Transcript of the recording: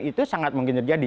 itu sangat mungkin terjadi